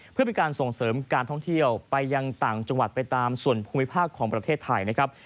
เพื่อเป็นการส่งเสริมการท่องเที่ยวไปยังต่างจังหวัดไปตามส่วนภูมิภาคของประเทศไทยนะครับ